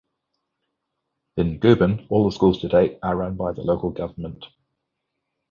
In Gubin, all of the schools to date are run by the local government.